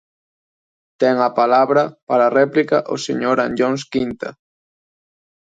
Ten a palabra, para réplica, o señor Anllóns Quinta.